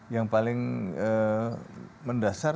yang paling mendasar